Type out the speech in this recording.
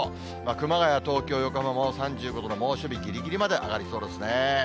熊谷、東京、横浜も３５度の猛暑日ぎりぎりまで上がりそうですね。